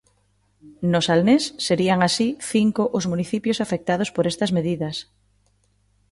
No Salnés, serían así cinco os municipios afectados por estas medidas.